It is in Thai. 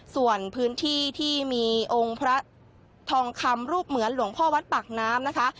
ส่วนพื้นที่ที่มีองค์พระทองคำรูปเหมือนหลวงพ่อวัดปากน้ำนะคะ